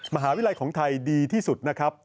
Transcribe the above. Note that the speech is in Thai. มหาวิทยาลัยของไทยดีที่สุดนะครับ